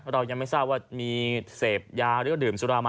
เรายังไม่ทราบว่ามีเสพยาหรือดื่มสุรามา